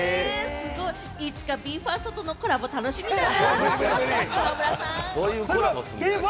いつか、ＢＥ：ＦＩＲＳＴとのコラボ楽しみだね。